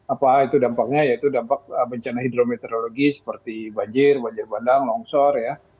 apa itu dampaknya yaitu dampak bencana hidrometeorologi seperti banjir banjir bandang longsor ya